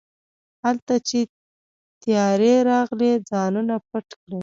هلته چې طيارې راغلې ځانونه پټ کړئ.